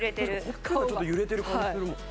ほっぺたちょっと揺れてる感じするもん。